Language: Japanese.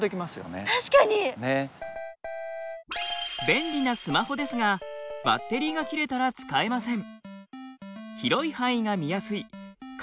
便利なスマホですがバッテリーが切れたら使えません。